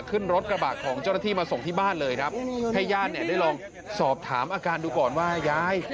ขึ้นรถกระบะของเจ้าหน้าที่มาส่งที่บ้านเลยครับให้ญาติเนี่ยได้ลองสอบถามอาการดูก่อนว่ายาย